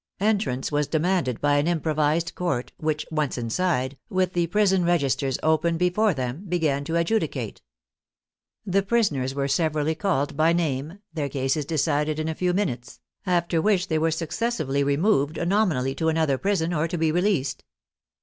Entrance was demanded by an im provised court, which, once inside, with the prison reg isters open before them, began to adjudicate. The pris oners were severally called by name, their cases decided in a few minutes, after which they were successively re moved nominally to another prison, or to be released.